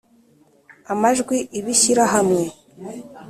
Amajwi ibishyirahamwe.